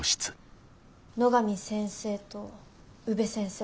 野上先生と宇部先生。